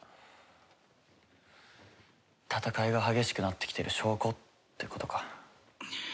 戦いが激しくなってきてる証拠ってことか。